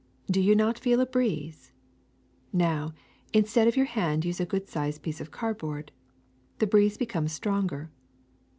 Do you not feel a breeze! Now, instead of your hand use a good sized piece of cardboard. The breeze becomes stronger.